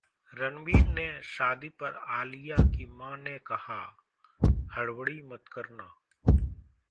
रणबीर से शादी पर आलिया की मां ने कहा, 'हड़बड़ी मत करना'